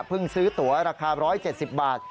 เพิ่งซื้อตัวราคา๑๗๐บาท